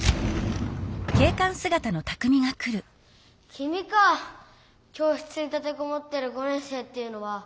きみか教室に立てこもってる５年生っていうのは。